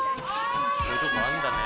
こういうとこあるんだね